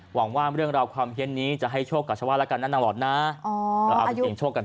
หวังว่าเรื่องราวความเฮียนนี้จะให้โชคกับชาวบ้านแล้วกันนะนางหลอดนะ